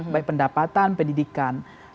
baik pendapatan pendidikan